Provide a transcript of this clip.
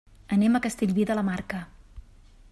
Anem a Castellví de la Marca.